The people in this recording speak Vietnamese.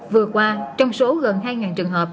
vừa qua trong số gần hai trường hợp